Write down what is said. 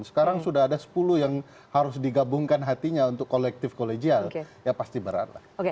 sekarang sudah ada sepuluh yang harus digabungkan hatinya untuk kolektif kolegial ya pasti berat lah